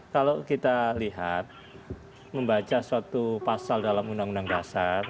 kalau kita lihat membaca suatu pasal dalam undang undang dasar